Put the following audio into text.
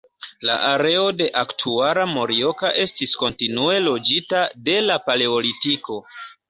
La areo de aktuala Morioka estis kontinue loĝita de la paleolitiko.